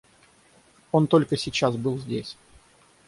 — Он только сейчас был здесь.